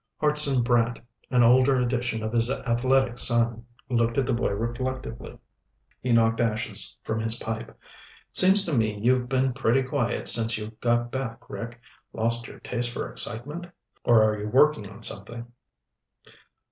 Hartson Brant, an older edition of his athletic son, looked at the boy reflectively. He knocked ashes from his pipe. "Seems to me you've been pretty quiet since you got back, Rick. Lost your taste for excitement? Or are you working on something?"